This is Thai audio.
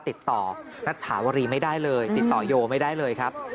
ติดต่อรัฐถาวรีไม่ได้เลยติดต่อโยไม่ได้เลยครับ